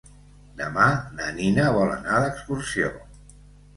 Demà na Nina vol anar d'excursió.